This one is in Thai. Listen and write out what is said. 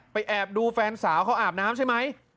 แอบดูแฟนสาวเขาอาบน้ำใช่ไหม